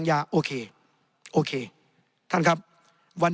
ในทางปฏิบัติมันไม่ได้